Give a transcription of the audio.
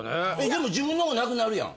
でも自分のが無くなるやん？